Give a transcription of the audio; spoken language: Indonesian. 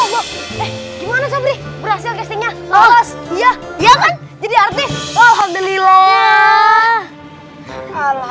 berhasil castingnya ya jadi artis alhamdulillah